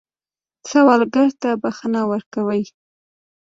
سوالګر ته بښنه ورکوئ